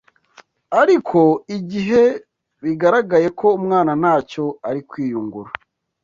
Ariko igihe bigaragaye ko umwana ntacyo ari kwiyungura